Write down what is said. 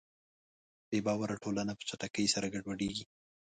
بېباوره ټولنه په چټکۍ سره ګډوډېږي.